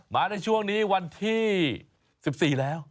มาในช่วงนี้วันที่๑๔แล้ว